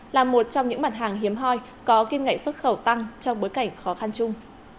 là một trong những mặt hàng hiếm hoi có kim ngạch xuất khẩu tăng trong bối cảnh khó khăn chung